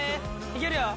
いけるよ。